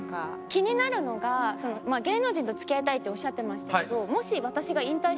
気になるのが芸能人と付き合いたいっておっしゃってましたけど。